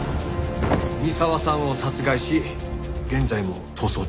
三澤さんを殺害し現在も逃走中。